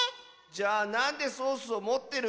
じゃあなんでソースをもってるの？